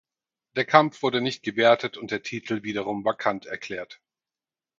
Der Kampf wurde nicht gewertet und der Titel wiederum vakant erklärt.